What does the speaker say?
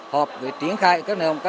hợp với triển khai các nơi không có